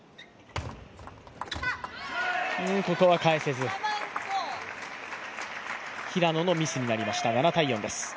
ここは返せず、平野のミスになりました。